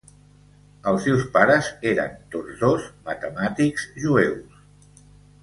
Els seus pares eren tots dos matemàtics jueus.